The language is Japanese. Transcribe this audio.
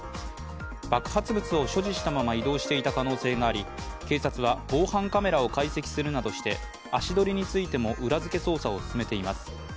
爆発物を所持したまま移動していた可能性があり警察は防犯カメラを解析するなどして足取りについても裏づけ捜査を進めています。